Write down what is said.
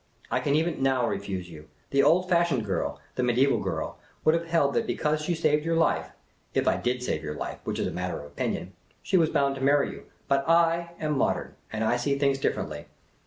I can even now refuse you. The old fashioned girl, the mediaeval girl, would have held that because she saved your life (if I did save your life, which is a matter of opinion) she was bound to marry you. But / am modern, and I see things differently.